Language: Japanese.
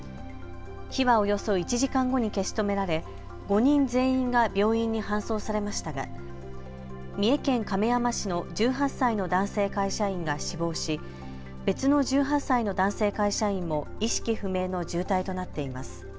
火はおよそ１時間後に消し止められ５人全員が病院に搬送されましたが三重県亀山市の１８歳の男性会社員が死亡し別の１８歳の男性会社員も意識不明の重体となっています。